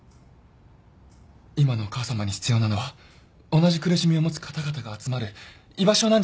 今のお母さまに必要なのは同じ苦しみを持つ方々が集まる居場所なんじゃないかと。